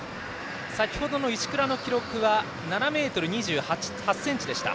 先程の石倉の記録は７ｍ２８ｃｍでした。